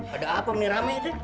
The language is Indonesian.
ada apa menirame ini